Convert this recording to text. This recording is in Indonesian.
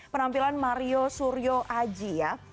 penampilan mario suryoaji ya